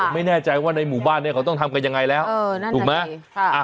ไม่แน่ใจว่าในหมู่บ้านเนี่ยเขาต้องทำกันยังไงแล้วถูกไหม